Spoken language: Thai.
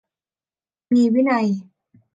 มีวินัย